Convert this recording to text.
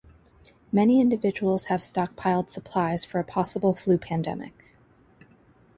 Many individuals have stockpiled supplies for a possible flu pandemic.